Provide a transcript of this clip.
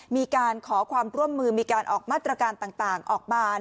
มีการขอความร่วมมือมีการออกมาตรการต่างออกมา